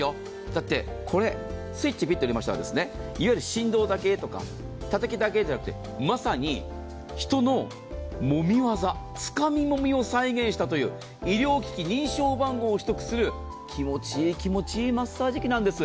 だって、これ、スイッチをピッと切りましたから、振動だけとかたたきだけじゃなくて、まさに人のもみ技、つかみもみを再現したという医療機器認証番号を取得する、気持ちいい、気持ちいいマッサージ器なんです。